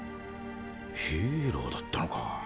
ヒーローだったのか。